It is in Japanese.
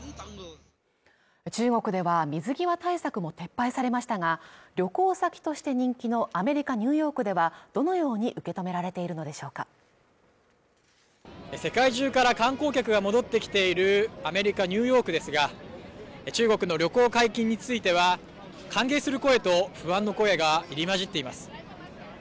中国では水際対策も撤廃されましたが旅行先として人気のアメリカ・ニューヨークではどのように受け止められているのでしょうか世界中から観光客が戻ってきているアメリカ・ニューヨークですが中国の旅行解禁については歓迎する声と不安の声が入り交じっています